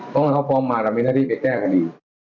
ต้องการเขาป้องมาเรามีหน้าที่ไปแก้คดี